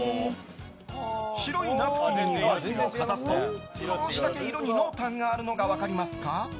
白いナプキンにワインをかざすと少しだけ色に濃淡があるのが分かりますか。